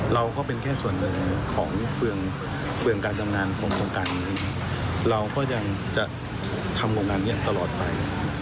เราก็เป็นแค่ส่วนหนึ่งของเปลืองการทำงานของโครงการนี้เราก็ยังจะทำโครงการนี้ตลอดไป